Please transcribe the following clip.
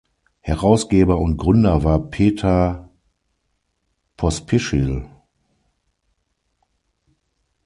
Herausgeber und Gründer war Peter Pospischil.